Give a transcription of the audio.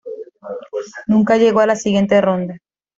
Nunca llegó a la siguiente ronda.